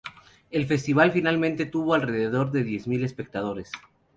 El festival finalmente tuvo alrededor de diez mil espectadores.